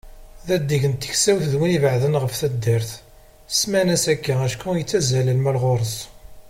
D adeg n teksawt d win ibeεden ɣef taddart, semman-as akka acku yettjal lmal ɣur-s.